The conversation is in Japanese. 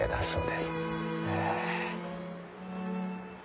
へえ。